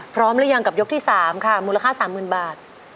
หรือยังกับยกที่๓ค่ะมูลค่า๓๐๐๐บาท